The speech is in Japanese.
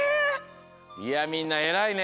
いやみんなえらいね。